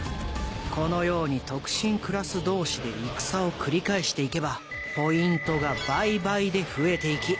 このように特進クラス同士で戦を繰り返して行けばポイントが倍々で増えて行き